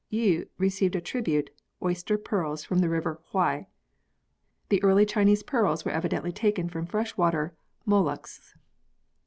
Yii received as tribute, oyster pearls from the river Hwai. The early Chinese pearls were evidently taken from fresh water molluscs.